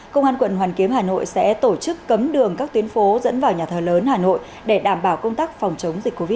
công an quận hoàn kiếm hà nội sẽ tổ chức cấm đường các tuyến phố dẫn vào nhà thờ lớn hà nội để đảm bảo công tác phòng chống dịch covid một mươi chín